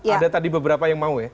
ada tadi beberapa yang mau ya